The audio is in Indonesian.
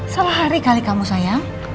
salah hari kali kamu sayang